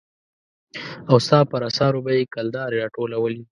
او ستا پر اثارو به يې کلدارې را ټولولې.